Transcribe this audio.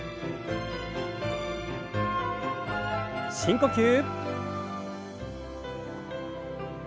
深呼吸。